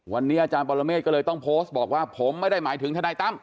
วันนี้อาจารย์ปรเมฆก็เลยต้องโพสต์บอกว่าผมไม่ได้หมายถึงทนายตั้ม